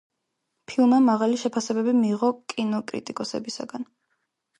ფილმმა მაღალი შეფასებები მიიღო კინოკრიტიკოსებისაგან.